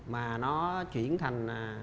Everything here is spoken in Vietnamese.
mà nó chuyển thành